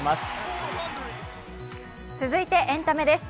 続いてエンタメです。